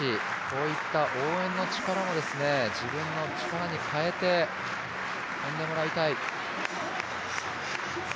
こういった応援の力を自分の力に変えて跳んでもらいたい。